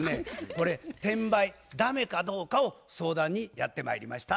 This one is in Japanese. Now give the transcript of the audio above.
これ転売駄目かどうかを相談にやってまいりました。